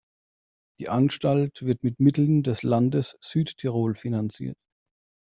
Die Anstalt wird mit Mitteln des Landes Südtirol finanziert.